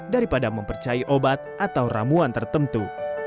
daripada mempercayai obat atau ramuan tertentu